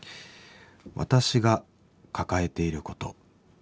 「私が抱えていること。